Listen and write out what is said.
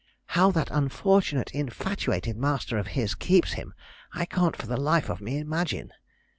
How that unfortunate, infatuated master of his keeps him, I can't for the life of me imagine.